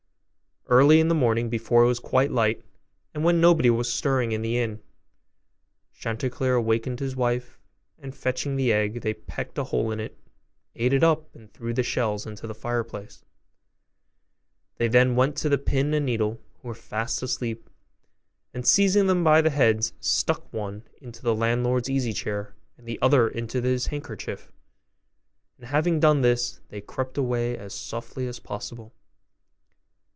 Early in the morning, before it was quite light, and when nobody was stirring in the inn, Chanticleer awakened his wife, and, fetching the egg, they pecked a hole in it, ate it up, and threw the shells into the fireplace: they then went to the pin and needle, who were fast asleep, and seizing them by the heads, stuck one into the landlord's easy chair and the other into his handkerchief; and, having done this, they crept away as softly as possible.